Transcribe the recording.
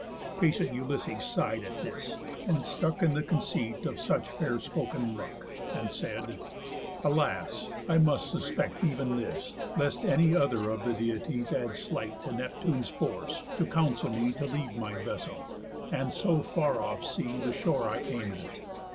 Patient Ulysses sigh'd at this, and stuck In the conceit of such fair spoken luck, And said: "Alas! I must suspect ev'n this, Lest any other of the Deities Add sleight to Neptune's force, to counsel me To leave my vessel, and so far off see The shore I aim at.